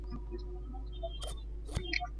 Coelom মন্দিরের প্রত্নতাত্ত্বিক খনন স্হানে।